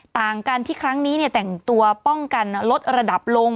ต่างกันที่ครั้งนี้แต่งตัวป้องกันลดระดับลง